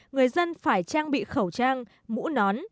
người dân phải trang bị khẩu trang mũ nón